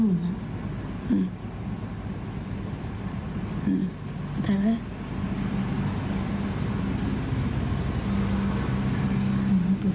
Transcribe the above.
กรมแม่หมูน่ะอืม